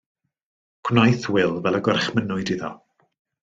Gwnaeth Wil fel y gorchmynnwyd iddo.